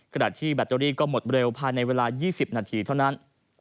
ขณะที่แบตเตอรี่ก็หมดเร็วภายในเวลา๒๐นาทีเท่านั้น